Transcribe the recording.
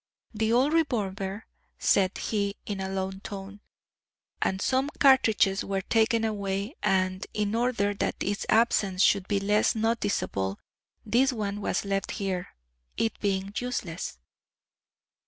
"The old revolver," said he in a low tone, "and some cartridges were taken away, and in order that its absence should be less noticeable, this one was left here it being useless.